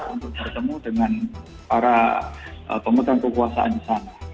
untuk bertemu dengan para pemegang kekuasaan di sana